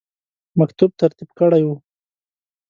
مکتوب ترتیب کړی وو.